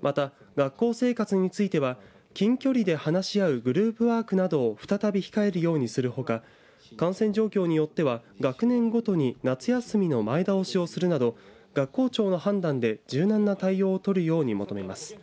また、学校生活については近距離で話し合うグループワークなどを再び控えるようにするほか感染状況によっては学年ごとに夏休みの前倒しをするなど学校長の判断で柔軟な対応を取るように求めます。